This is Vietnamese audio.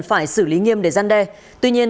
phải xử lý nghiêm để gian đe tuy nhiên